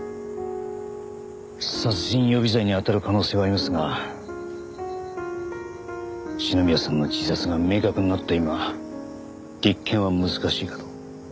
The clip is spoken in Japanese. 殺人予備罪に当たる可能性はありますが篠宮さんの自殺が明確になった今立件は難しいかと。